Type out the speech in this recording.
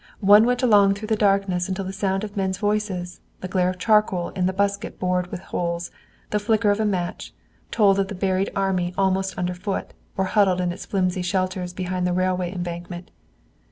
One went along through the darkness until the sound of men's voices, the glare of charcoal in a bucket bored with holes, the flicker of a match, told of the buried army almost underfoot or huddled in its flimsy shelters behind the railway embankment.